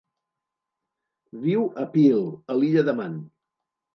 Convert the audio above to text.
Viu a Peel, a l'illa de Man.